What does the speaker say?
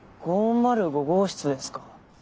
５０５号室ですか。